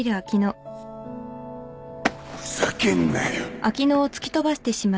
ふざけんなよ！